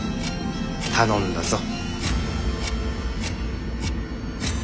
頼んだぞ。